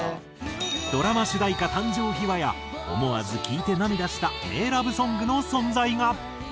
ドラマ主題歌誕生秘話や思わず聴いて涙した名ラブソングの存在が。